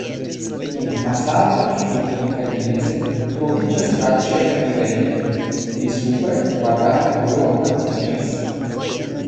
En fasado sube kaj meze troviĝas la ĉefenirejo, pli supre la kvadrata turo altiĝas.